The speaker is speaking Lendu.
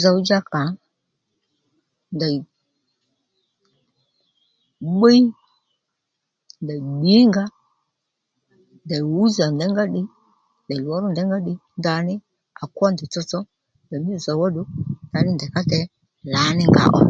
Zòw dja kà ndèy bbiy ndèy bbǐ nga ndèy wú zà ndèy ngá ddiy ndèy lwǒrú ndèy ngá ddiy ndaní à kwó ndèy tsotso ndèymí zòw ó ddù ndaní ndèy ká dey lǎní nga ó